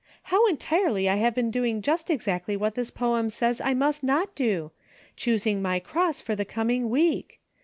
How entirely I have been doing just exactly what this poem says I must not do : choosing my cross for the coming week.